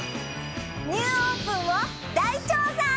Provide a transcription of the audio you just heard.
ニューオープンを大調査。